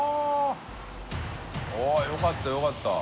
よかったよかった。